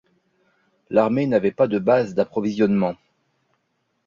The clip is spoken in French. L’armée n’avait pas de base d’approvisionnement.